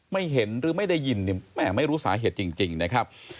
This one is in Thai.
ไม่เห็นรึไม่ได้ยินแม่งไม่รู้สาเหตุจริงนะครับ